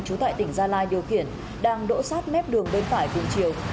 trú tại tỉnh gia lai điều khiển đang đỗ sát mép đường bên phải cùng chiều